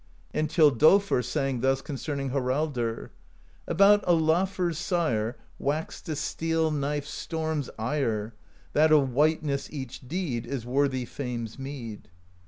And Thjodolfr sang thus concerning Haraldr: About (5lafr's sire Waxed the steel knife storm's ire, That of wightness each deed Is worthy fame's meed.